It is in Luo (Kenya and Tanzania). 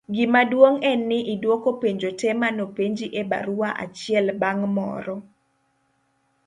gimaduong' en ni idwoko penjo te manopenji e barua achiel bang' moro